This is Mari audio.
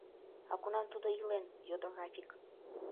— А кунам тудо илен? — йодо Рафик.